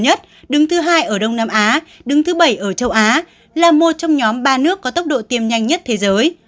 thứ nhất đứng thứ hai ở đông nam á đứng thứ bảy ở châu á là một trong nhóm ba nước có tốc độ tiêm nhanh nhất thế giới